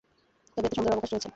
তবে এতে সন্দেহের অবকাশ রয়েছে।